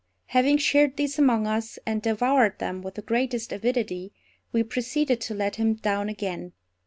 Having shared these among us, and devoured them with the greatest avidity, we proceeded to let him down again.